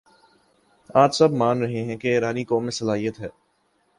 آج سب مان رہے ہیں کہ ایرانی قوم میں صلاحیت ہے